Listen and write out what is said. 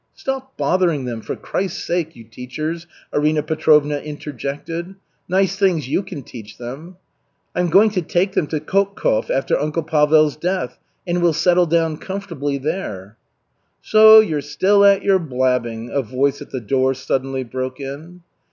"Stop bothering them, for Christ's sake, you teachers," Arina Petrovna interjected. "Nice things you can teach them." "I'm going to take them to Khotkov, after Uncle Pavel's death, and we'll settle down comfortably there." "So you're still at your blabbing," a voice at the door suddenly broke in.